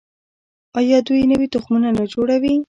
آیا دوی نوي تخمونه نه جوړوي؟